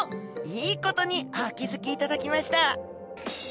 いいことにお気付きいただきました。